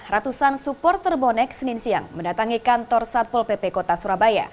ratusan supporter bonek senin siang mendatangi kantor satpol pp kota surabaya